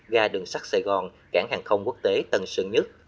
ga đường sắt sài gòn cảng hàng không quốc tế tân sơn nhất